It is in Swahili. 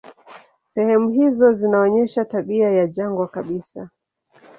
Sehemu hizo zinaonyesha tabia ya jangwa kabisa.